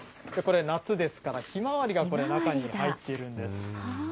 夏ですから、ひまわりが中に入っているんです。